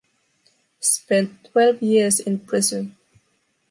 Spent twelve years in prison.